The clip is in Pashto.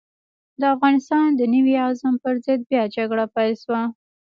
د افغانستان د نوي عزم پر ضد بيا جګړه پيل شوه.